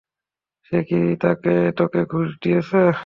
সে কি তোকে ঘুষ দিয়েছে?